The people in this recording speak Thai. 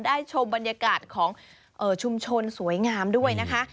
ชมบรรยากาศของชุมชนสวยงามด้วยนะคะ